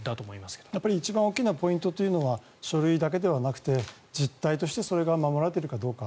一番大きなポイントというのは書類だけではなくて実態としてそれが守られているかどうか。